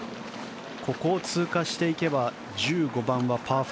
ここを通過していけば１５番はパー５。